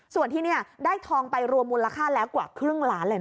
ส่วนที่นี่ได้ทองไปรวมมูลค่าแล้วกว่าครึ่งล้านเลยนะ